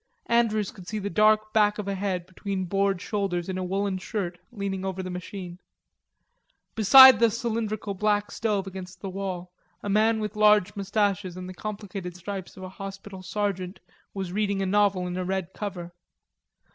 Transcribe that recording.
Andrews could see the dark back of a head between bored shoulders in a woolen shirt leaning over the machine. Beside the cylindrical black stove against the wall a man with large mustaches and the complicated stripes of a hospital sergeant was reading a novel in a red cover.